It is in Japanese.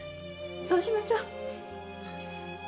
そうしましょう。